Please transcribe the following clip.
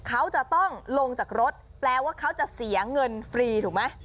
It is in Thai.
เขาจะต้องลงจากรถแปลว่าเขาจะเสียเงินฟรีถูกไหม